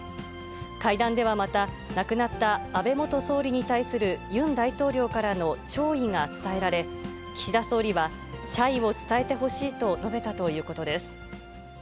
会談では、また、亡くなった安倍元総理に対するユン大統領からの弔意が伝えられ、岸田総理は謝意を伝えてほしいと述べたということです。